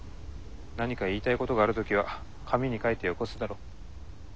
何か言いたいことがある時は紙に書いてよこすだろう。